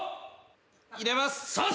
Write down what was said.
入れます。